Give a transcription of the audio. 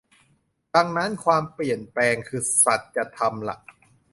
ดังนั้นความเปลี่ยนแปลงคือสัจธรรมล่ะ